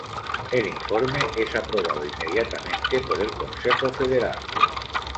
El informe es aprobado inmediatamente por el Consejo Federal.